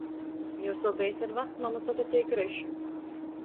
Juos obejis ar vacmamu sasateik reši.